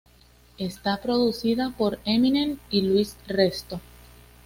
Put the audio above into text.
Está producida por Eminem y Luis Resto.